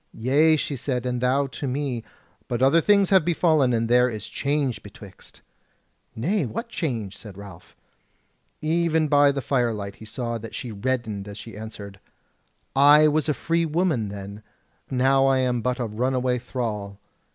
"Yea," she said, "and thou to me; but other things have befallen, and there is change betwixt." "Nay, what change?" said Ralph. Even by the firelight he saw that she reddened as she answered: "I was a free woman then; now am I but a runaway thrall."